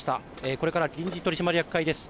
これから臨時取締役会です。